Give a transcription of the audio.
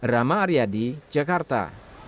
rama aryadi jakarta